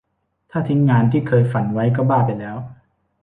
ถ้าทิ้งงานที่เคยฝันไว้ก็บ้าไปแล้ว